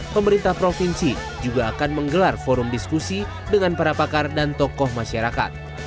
pemerintah provinsi juga akan menggelar forum diskusi dengan para pakar dan tokoh masyarakat